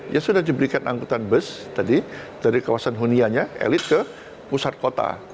ya sudah diberikan angkutan bus tadi dari kawasan hunianya elit ke pusat kota